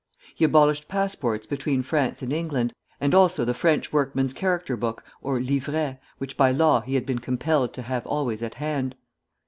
He abolished passports between France and England, and also the French workman's character book, or livret, which by law he had been compelled to have always at hand.